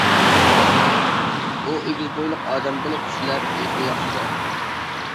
ئۇ ئېگىز بويلۇق ئادەم بولۇپ، شىلەپە كىيىشنى ياخشى كۆرەتتى.